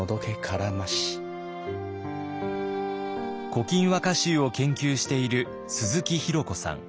「古今和歌集」を研究している鈴木宏子さん。